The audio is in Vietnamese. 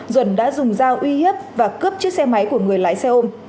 duẩn đã dùng dao uy hiếp và cướp chiếc xe máy của người lái xe ôm